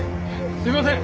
すいません。